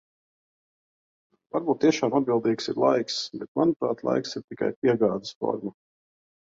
Varbūt tiešām atbildīgs ir laiks, bet, manuprāt, laiks ir tikai piegādes forma.